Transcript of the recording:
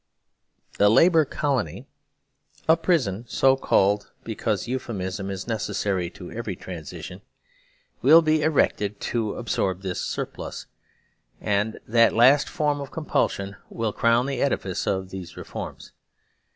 The "Labour Colony" (a prison so called because euphe mism is necessary to every transition) will be erected to absorb this surplus, and that last form of compul sion will crown the edifice of these reforms.